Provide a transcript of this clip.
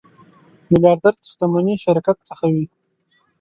میلیاردر شتمني شرکت څخه وي.